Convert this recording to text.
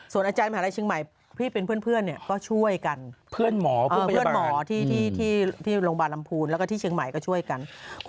ส่วนอาจารย์มหาลัยเชียงใหม่พี่เป็นเพื่อนเนี่ยก็ช่วยกัน